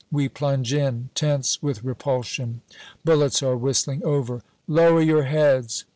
We plunge in, tense with repulsion. Bullets are whistling over. "Lower your heads!"